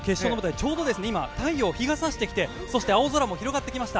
ちょうど今、太陽が上がってきましてそして青空も広がってきました。